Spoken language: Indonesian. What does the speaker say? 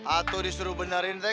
atu disuruh benerin teh